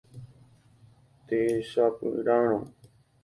Techapyrãrõ.